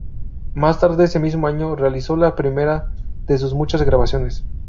Más tarde, ese mismo año, realizó la primera de sus muchas grabaciones.